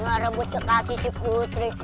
nggak rembut cek kasih si putri